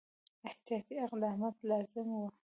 احتیاطي اقدامات لازم وه.